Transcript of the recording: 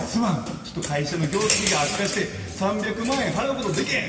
ちょっと会社の業績が悪化して３００万円払うことできへん。